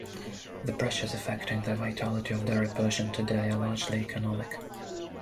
The pressures affecting the vitality of Dari Persian today are largely economic.